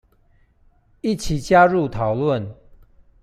一起加入討論